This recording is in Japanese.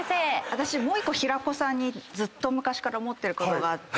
私もう１個平子さんにずっと昔から思ってることがあって。